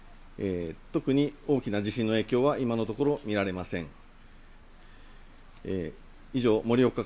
特に大きな地震の影響は今のところ見られません。